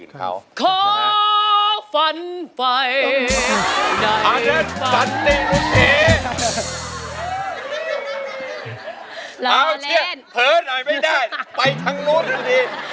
เอาละเปิดอะไรไม่ได้ไปทั้งโน้ทกันดี